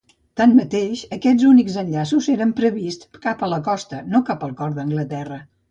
Tanmateix, aquests únics enllaços eren prevists cap a la costa, no cap al cor d'Anglaterra.